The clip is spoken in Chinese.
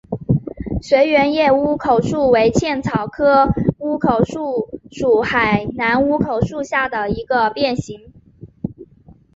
椭圆叶乌口树为茜草科乌口树属海南乌口树下的一个变型。